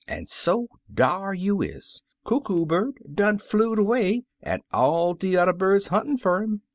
An' so dar you is ! Coo Coo Bird done flew'd away, an' all de yuther birds huntin' fer 'er.